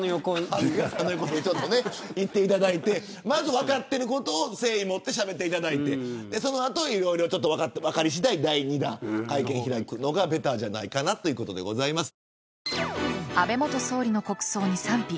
行っていただいてまず分かっていることを誠意持ってしゃべっていただいてその後は分かり次第、第２弾会見開くのがベターじゃないかなということでございます。